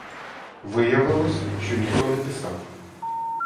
Виявилось, що ніхто не писав.